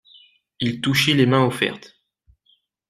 Il touchait les mains offertes.